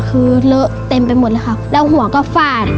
คือเลอะเต็มไปหมดเลยครับแล้วหัวก็ฟาด